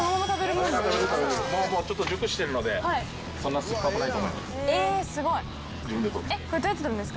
もうちょっと熟してるのでそんな酸っぱくないと思います。